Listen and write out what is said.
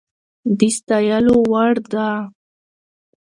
د ستايلو وړ ده